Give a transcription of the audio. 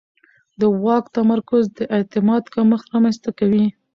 د واک تمرکز د اعتماد کمښت رامنځته کوي